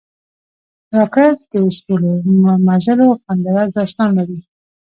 راکټ د ستورمزلو خوندور داستان لري